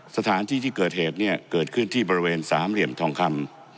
สถานที่ที่เกิดเหตุเนี่ยเกิดขึ้นที่บริเวณสามเหลี่ยมทองคำ